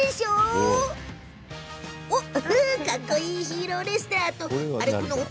かっこいいヒーローレスラーとあれ？